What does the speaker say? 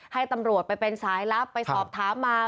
ให้ตำรวจไปเป็นสายลับไปสอบถามมา